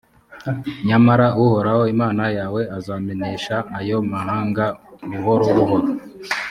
nyamara uhoraho imana yawe azamenesha ayo mahanga buhoro buhoro: